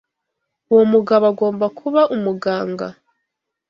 Uwo mugabo agomba kuba umuganga.